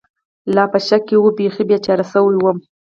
لا په شک کې و، بېخي بېچاره شوی ووم.